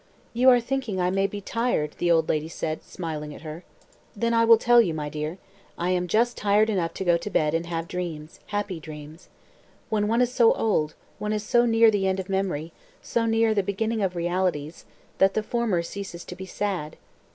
"You are thinking I may be tired!" the old lady said, smiling at her. "Then I will tell you, my dear. I am just tired enough to go to bed and have dreams, happy dreams. When one is so old, one is so near the end of memory, so near the beginning of realities, that the former ceases to be sad.